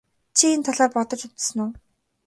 Чи энэ талаар бодож үзсэн үү?